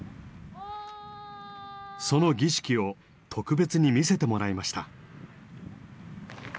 その儀式を特別に見せてもらいました。